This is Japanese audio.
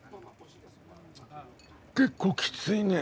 結構きついね。